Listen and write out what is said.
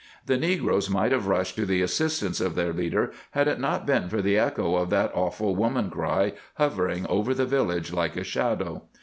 The negroes might have rushed to the assistance of their leader had it not been for the echo of that awful woman cry hovering over the village like a shadow.